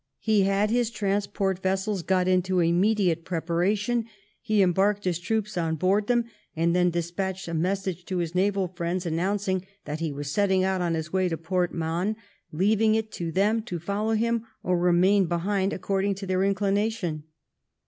He had his transport vessels got into immediate preparation, he embarked his troops on board them, and then despatched a message to his naval friends an nouncing that he was setting out on his way to Port Mahon, and leaving it to them to follow him or remain behind according to their inclination.